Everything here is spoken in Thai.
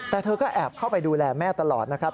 แต่เธอก็แอบเข้าไปดูแลแม่ตลอดนะครับ